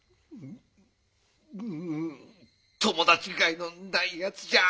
んん友達甲斐のないやつじゃ。